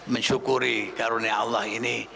mensyukuri karunia allah ini